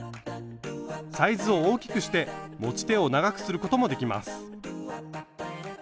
サイズを大きくして持ち手を長くすることもできます。